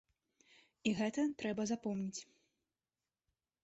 І гэта трэба запомніць.